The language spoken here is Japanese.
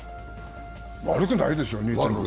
悪くないですよ。